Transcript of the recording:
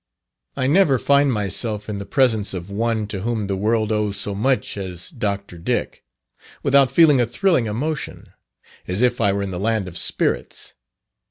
I never find myself in the presence of one to whom the world owes so much as Dr. Dick, without feeling a thrilling emotion, as if I were in the land of spirits.